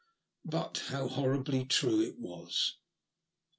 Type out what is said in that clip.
But how horribly true it was